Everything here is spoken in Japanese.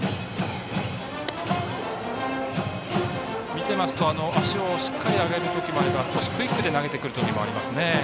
見ていますと、足をしっかり上げる時もあれば少しクイックで投げる時もありますね。